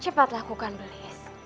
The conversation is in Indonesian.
cepat lakukan belis